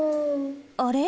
あれ？